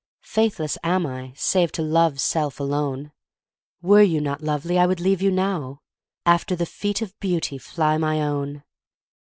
Faithless am I save to love's self alone. Were you not lovely I would leave you now: After the feet of beauty fly my own.